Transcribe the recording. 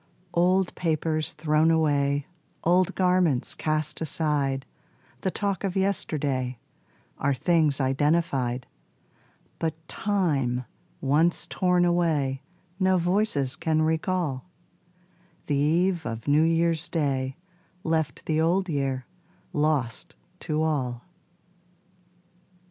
Old papers thrown away, Old garments cast aside, The talk of yesterday, Are things identified; But time once torn away No voices can recall: The eve of New Year's Day Left the Old Year lost to all.